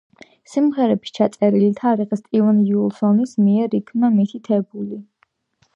სიმღერების ჩაწერილი თარიღი სტივენ უილსონის მიერ იქნა მითითებული.